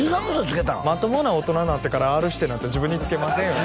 まともな大人になってからＲ−指定なんて自分につけませんよ